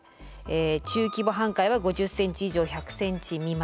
中規模半壊は５０ｃｍ以上１００ｃｍ未満。